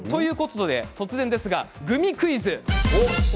突然ですがここでグミクイズ。